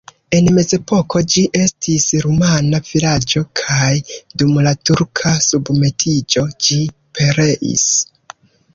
En mezepoko ĝi estis rumana vilaĝo kaj dum la turka submetiĝo ĝi pereis.